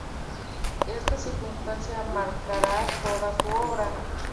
Esta circunstancia marcará toda su obra.